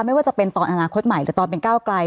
ไม่ว่าจะเป็นตอนอนาคตใหม่หรือตอนเป็นก้าวไกล